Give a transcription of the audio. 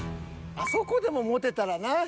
あそこでも持てたらなぁ。